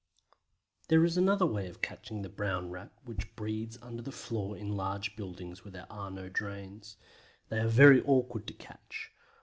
There is another way of catching the Brown Rat which breeds under the floor in large buildings where there are no drains. They are very awkward to catch.